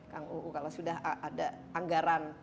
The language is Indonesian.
kalau sudah ada anggaran